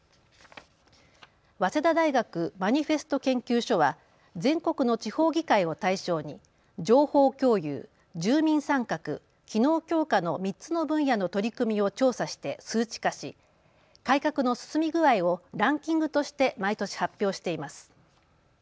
早稲田大学マニフェスト研究所は全国の地方議会を対象に情報共有、住民参画、機能強化の３つの分野の取り組みを調査して数値化し改革の進み具合をランキングとして毎年発表しています。